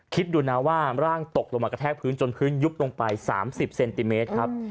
คิดดูนะว่าร่างตกลงมากระแทกพื้นจนพื้นยุบลงไป๓๐เซนติเมตรครับ